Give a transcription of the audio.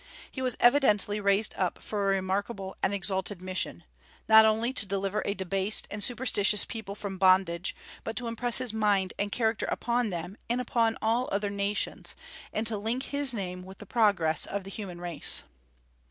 He was evidently raised up for a remarkable and exalted mission, not only to deliver a debased and superstitious people from bondage, but to impress his mind and character upon them and upon all other nations, and to link his name with the progress of the human race.